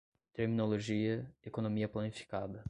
Terminologia, economia planificada